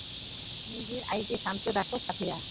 নিজেদের স্নায়ুকে শান্ত রাখো, সাথীরা!